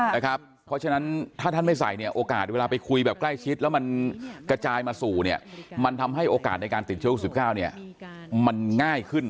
เพราะฉะนั้นถ้าท่านไม่ใส่เนี่ยโอกาสเวลาไปคุยแบบใกล้ชิดแล้วมันกระจายมาสู่เนี่ยมันทำให้โอกาสในการติดเชื้อโควิด๑๙มันง่ายขึ้น